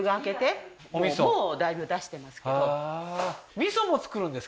味噌も作るんですか？